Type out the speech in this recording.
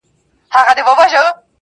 د زړه په هر درب كي مي ته اوســېږې.